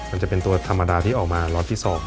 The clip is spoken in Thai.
มันจะเป็นตัวธรรมดาที่ออกมาล็อตที่๒